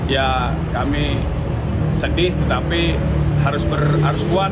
ya kami sedih tetapi harus berartikan